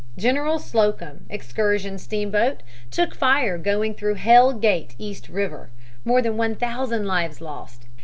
General Slocum, excursion steamboat, took fire going through Hell Gate, East River; more than 1000 lives lost.